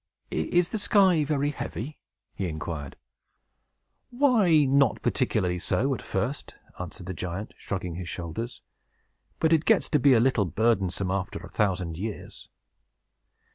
"Is the sky very heavy?" he inquired. "Why, not particularly so, at first," answered the giant, shrugging his shoulders. "But it gets to be a little burdensome, after a thousand years!"